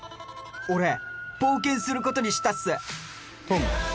「俺冒険することにしたっす！」とも。